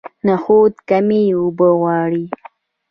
نخود کمې اوبه غواړي.